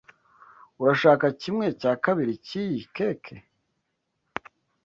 Urashaka kimwe cya kabiri cyiyi cake?